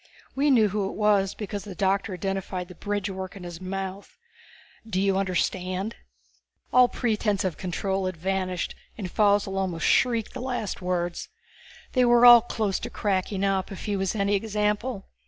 We knew who it was because the doctor identified the bridgework in his mouth. Do you understand?" All pretense of control had vanished, and Faussel almost shrieked the last words. They were all close to cracking up, if he was any example.